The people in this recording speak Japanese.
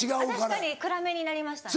確かに暗めになりましたね。